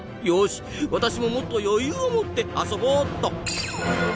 よし私ももっと余裕を持って遊ぼうっと。